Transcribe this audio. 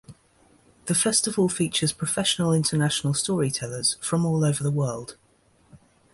The festival features professional international storytellers from all over the world.